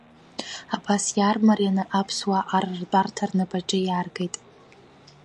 Абас иаармарианы аԥсуаа Ар ртәарҭа рнапаҿы иааргеит.